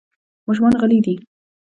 ماشومان غلي دي .